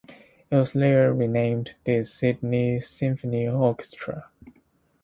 It was later renamed the Sydney Symphony Orchestra.